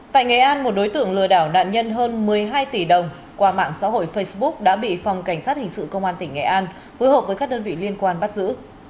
tại nghệ an một đối tượng lừa đảo nạn nhân hơn một mươi hai tỷ đồng qua mạng xã hội facebook đã bị phòng cảnh sát hình sự công an tỉnh nghệ an phối hợp với các đơn vị liên quan bắt giữ